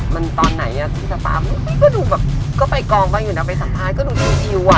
มันตอนไหนอะพี่สป๊ามึงก็ดูแบบก็ไปกองไว้อยู่นะไปสัมภารก็ดูจริงอะ